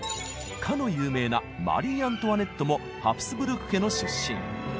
かの有名なマリー・アントワネットもハプスブルク家の出身。